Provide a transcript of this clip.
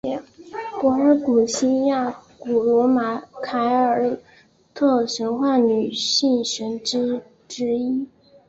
柏尔古希亚古罗马凯尔特神话女性神只之一。